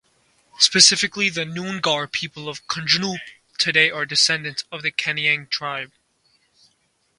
Specifically, the Noongar people of Kojonup today are descendants of the Kaneang tribe.